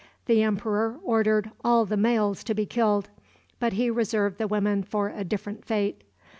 The emperor ordered all the males to be killed, but he reserved the women for a different fate.